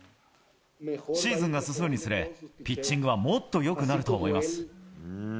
シーズンが進むにつれ、ピッチングはもっとよくなると思います。